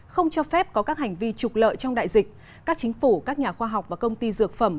không cho phép có các hành vi trục lợi trong đại dịch các chính phủ các nhà khoa học và công ty dược phẩm